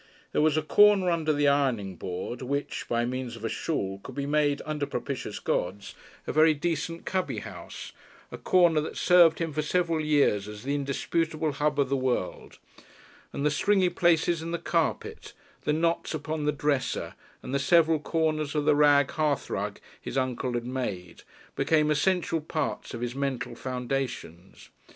There was a corner under the ironing board which by means of a shawl could, under propitious gods, be made a very decent cubby house, a corner that served him for several years as the indisputable hub of the world; and the stringy places in the carpet, the knots upon the dresser, and the several corners of the rag hearthrug his uncle had made, became essential parts of his mental foundations.